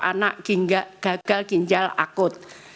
anak gagal ginjal akut